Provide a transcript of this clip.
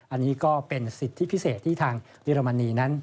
อันนี้ก็เป็นสิทธิพิเศษที่ทางเยอรมนีนั้น